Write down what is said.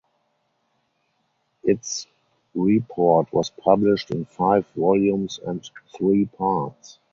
Its report was published in five volumes and three parts.